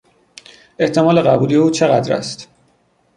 احتمال قبولی او چقدر است؟